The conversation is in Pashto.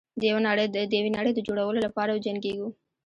د یوې نړۍ د جوړولو لپاره وجنګیږو.